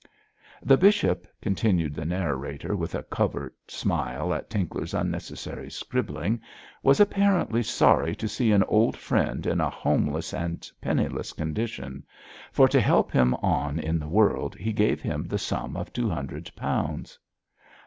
'The bishop,' continued the narrator, with a covert smile at Tinkler's unnecessary scribbling, 'was apparently sorry to see an old friend in a homeless and penniless condition, for to help him on in the world he gave him the sum of two hundred pounds.'